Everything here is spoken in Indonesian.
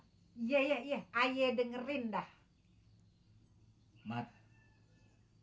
iya iya iya ayah dengerin dah